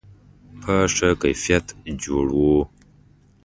په ښه کیفیت جوړ و.